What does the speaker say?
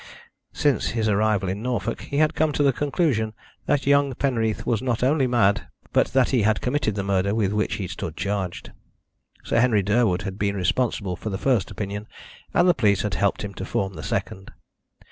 Since his arrival in Norfolk he had come to the conclusion that young Penreath was not only mad, but that he had committed the murder with which he stood charged. Sir Henry Durwood had been responsible for the first opinion, and the police had helped him to form the second.